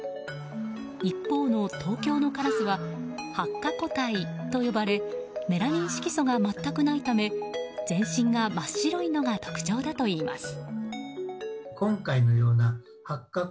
一方の東京のカラスは白化個体と呼ばれメラニン色素が全くないため全身が真っ白いのが特徴だといいます。